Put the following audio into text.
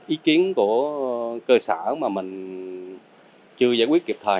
ý kiến của cơ sở mà mình chưa giải quyết kịp thời